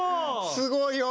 すごいよ！